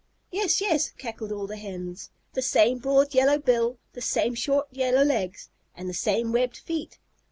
"Yes, yes," cackled all the Hens. "The same broad yellow bill, the same short yellow legs, and the same webbed feet."